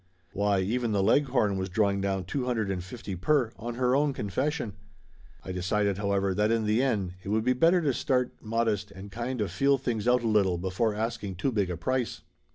Why, even the Leghorn was drawing down two hun dred and fifty per, on her own confession! I decided, however, that in the end it would be better to start 100 Laughter Limited modest and kind of feel things out a little before ask ing too big a price.